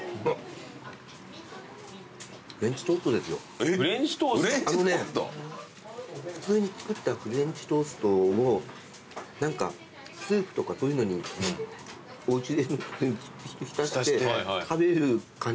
あのね普通に作ったフレンチトーストを何かスープとかそういうのにおうちで浸して食べる感じ。